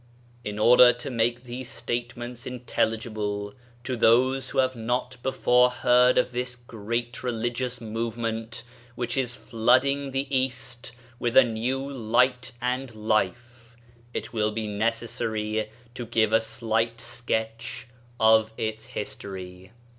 In order to make these statements intelligible to those who have not before heard of this great religious movement which is flooding the East with new light and life, it will be necessary to give a slight sketch of its history.